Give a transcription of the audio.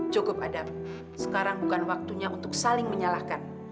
cukup ada sekarang bukan waktunya untuk saling menyalahkan